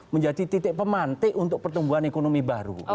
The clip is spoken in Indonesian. menjadi titik pemantik untuk pertumbuhan ekonomi baru